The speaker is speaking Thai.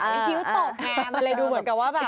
คิ้วตกแมมเลยดูเหมือนกับว่าแบบ